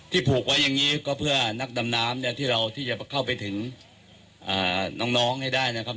ผูกไว้อย่างนี้ก็เพื่อนักดำน้ำเนี่ยที่เราที่จะเข้าไปถึงน้องให้ได้นะครับ